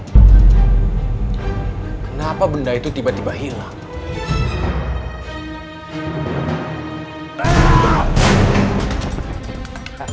kenapa benda itu tiba tiba hilang